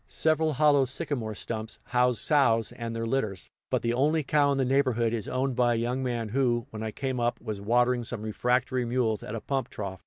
Several hollow sycamore stumps house sows and their litters; but the only cow in the neighborhood is owned by a young man who, when I came up, was watering some refractory mules at a pump trough.